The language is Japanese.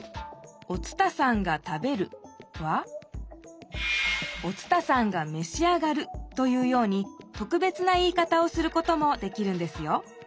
「お伝さんが食べる」は「お伝さんがめし上がる」というようにとくべつな言い方をすることもできるんですよ。